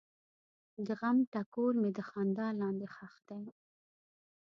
د غم ټکور مې د خندا لاندې ښخ دی.